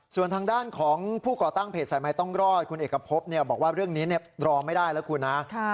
ส่วนทางด้านของผู้ก่อตั้งเพจสายไม้ต้องรอดคุณเอกพบบอกว่าเรื่องนี้รอไม่ได้แล้วคุณนะ